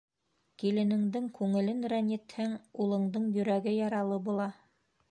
Киленеңдең күңелен рәнйетһәң, улыңдың йөрәге яралы була.